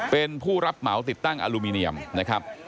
เป็นผู้รับเหมาติดตั้งอลูมิเนียมนะครับ